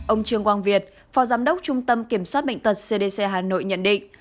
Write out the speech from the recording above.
ông trương quang việt phó giám đốc trung tâm kiểm soát bệnh tật cdc hà nội nhận định